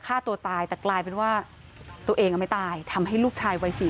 ฆ่าตัวตายแต่กลายเป็นว่าตัวเองไม่ตายทำให้ลูกชายวัยสี่